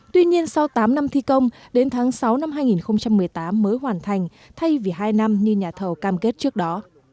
tuy nhiên sau tám năm thi công đến tháng sáu năm hai nghìn một mươi tám mới hoàn thành thay vì hai năm như nhà thầu cam kết trước đó